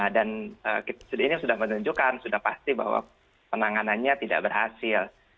dan ini sudah menunjukkan sudah pasti bahwa penanganannya tidak berhasil